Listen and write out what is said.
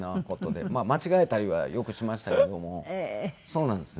そうなんですね。